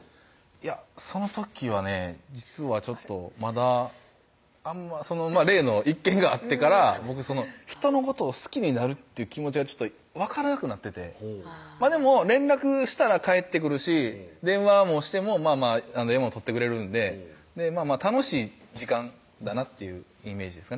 いやその時はね実はちょっとまだあんま例の一件があってから僕人のことを好きになるっていう気持ちが分からなくなっててほうでも連絡したら返ってくるし電話もしても電話も取ってくれるんで楽しい時間だなっていうイメージですかね